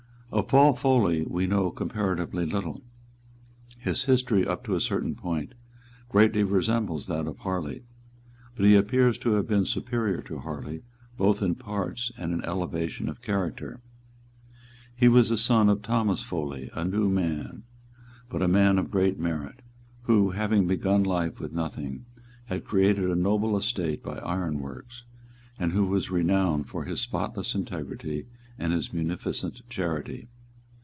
Of Paul Foley we know comparatively little. His history, up to a certain point, greatly resembles that of Harley: but he appears to have been superior to Harley both in parts and in elevation of character. He was the son of Thomas Foley, a new man, but a. man of great merit, who, having begun life with nothing, had created a noble estate by ironworks, and who was renowned for his spotless integrity and his munificent charity.